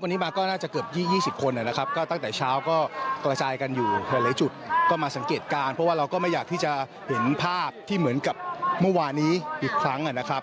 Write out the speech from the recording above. เพราะว่าเราก็ไม่อยากที่จะเห็นภาพที่เหมือนกับเมื่อวานี้อีกครั้ง